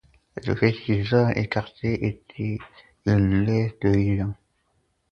Le petit homme écarlate était une lueur de vision.